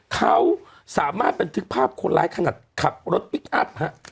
เขาสามารถบันทึกภาพคนร้ายขนาดขับรถพลิกอัพฮะ